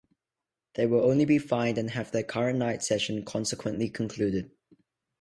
They will only be fined and have their current night session consequently concluded.